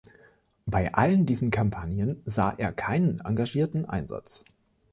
Bei allen diesen Kampagnen sah er keinen engagierten Einsatz.